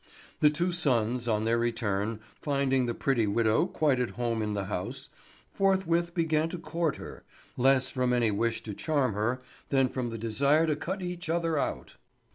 The two sons on their return, finding the pretty widow quite at home in the house, forthwith began to court her, less from any wish to charm her than from the desire to cut each other out.